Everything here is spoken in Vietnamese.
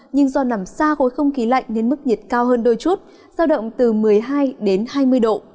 nhưng do nằm xa khối không khí lạnh nên mức nhiệt cao hơn đôi chút giao động từ một mươi hai đến hai mươi độ